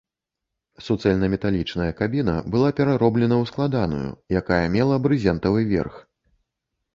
Суцэльнаметалічная кабіна была перароблена ў складаную, якая мела брызентавы верх.